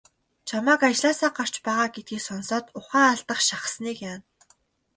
Чамайг ажлаасаа гарч байгаа гэдгийг сонсоод ухаан алдах шахсаныг яана.